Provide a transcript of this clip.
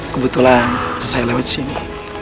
kebetulan saya lewat sini